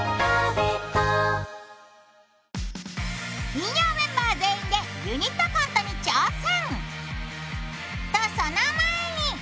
金曜メンバー全員でユニットコントに挑戦。